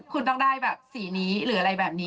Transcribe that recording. คุณต้องได้แบบสีนี้หรืออะไรแบบนี้